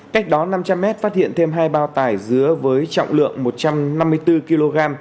cách đó năm trăm linh m phát hiện thêm hai bao tải dứa với trọng lượng một trăm năm mươi bốn kg